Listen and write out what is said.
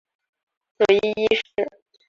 佐伊一世。